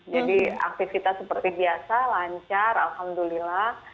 jadi aktivitas seperti biasa lancar alhamdulillah